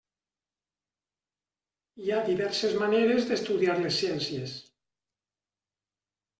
Hi ha diverses maneres d'estudiar les ciències.